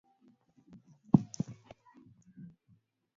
ilionekana wazi ya kwamba Moi alimtaka kenyata awe mgombea wa uraisi